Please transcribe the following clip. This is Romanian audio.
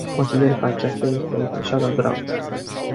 Consider că aceasta este o greșeală gravă.